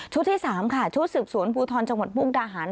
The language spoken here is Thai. ที่๓ค่ะชุดสืบสวนภูทรจังหวัดมุกดาหาร